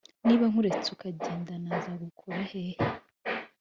niba nkuretse ukagenda nazgukura hehe